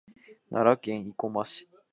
奈良県生駒市